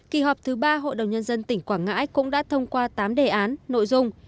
kỳ họp thứ ba hội đồng nhân dân tỉnh quảng ngãi cũng đã thông qua tám đề án nội dung